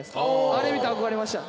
「あれを見て憧れました」